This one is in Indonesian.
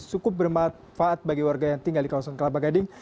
cukup bermanfaat bagi warga yang tinggal di kawasan kelapa gading